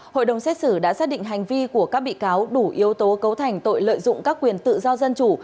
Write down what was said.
hội đồng xét xử đã xác định hành vi của các bị cáo đủ yếu tố cấu thành tội lợi dụng các quyền tự do dân chủ